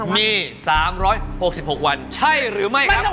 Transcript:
มี๓๖๖วันใช่หรือไม่ครับ